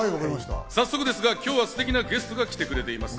早速ですが、今日はステキなゲストが来てくれています。